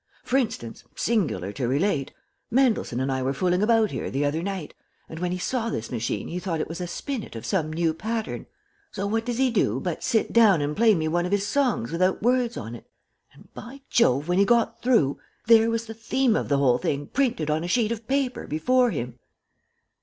For instance, singular to relate, Mendelssohn and I were fooling about here the other night, and when he saw this machine he thought it was a spinet of some new pattern; so what does he do but sit down and play me one of his songs without words on it, and, by jove! when he got through, there was the theme of the whole thing printed on a sheet of paper before him."